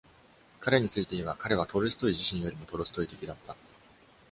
彼について言えば、彼はトルストイ自身よりもトルストイ的だった。